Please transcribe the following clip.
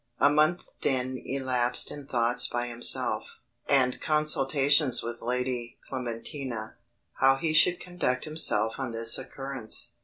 A month then elapsed in thoughts by himself, and consultations with Lady Clementina, how he should conduct himself on this occurrence.